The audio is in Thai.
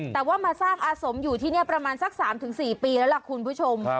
แต่ว่ามาสร้างอาสมอยู่ที่นี่ประมาณสัก๓๔ปีแล้วล่ะคุณผู้ชม